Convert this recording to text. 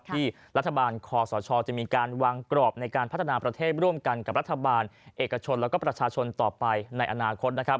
ที่รัฐบาลคอสชจะมีการวางกรอบในการพัฒนาประเทศร่วมกันกับรัฐบาลเอกชนแล้วก็ประชาชนต่อไปในอนาคตนะครับ